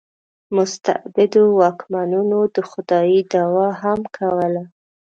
مستبدو واکمنانو د خدایي دعوا هم کوله.